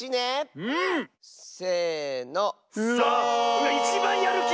うわいちばんやるき！